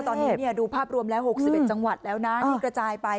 ตอนนี้ดูภาพรวมแล้ว๖๑จังหวัดแล้วนะที่กระจายไป